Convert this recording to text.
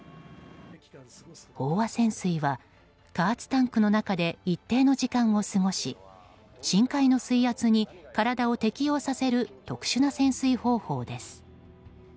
飽和潜水は、加圧タンクの中で一定の時間を過ごし深海の水圧に体を適応させる特殊な潜水方法です。